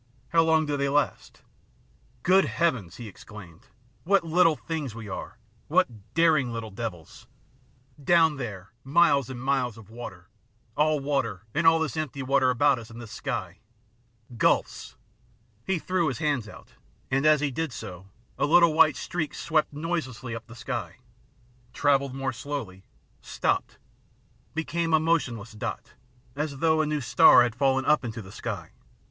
How long do they last ?"" Good heavens !" he exclaimed ;" what little things we are ! What daring little devils ! Down 8o THE PLATTNER STORY AND OTHERS there, miles and miles of water all water, and all this empty water about us and this sky. Gulfs !" He threw his hands out, and as he did so, a little white streak swept noiselessly up the sky, travelled more slowly, stopped, became a motionless dot, as though a new star had fallen up into the sky.